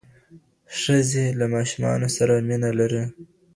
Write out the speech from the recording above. ښځې له ماشومانو سره مینه لري.